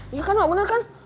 iya kan emak bener kan